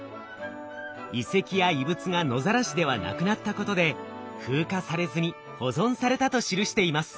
遺跡や遺物が野ざらしではなくなったことで風化されずに保存されたと記しています。